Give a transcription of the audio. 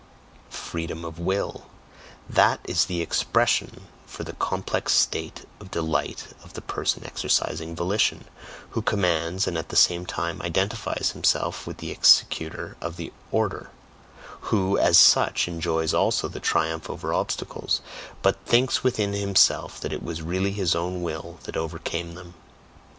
"Freedom of Will" that is the expression for the complex state of delight of the person exercising volition, who commands and at the same time identifies himself with the executor of the order who, as such, enjoys also the triumph over obstacles, but thinks within himself that it was really his own will that overcame them.